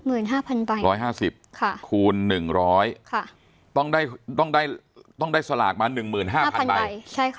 ร้อยห้าสิบค่ะคูณหนึ่งร้อยค่ะต้องได้ต้องได้ต้องได้สลากมาหนึ่งหมื่นห้าพันใบใช่ค่ะ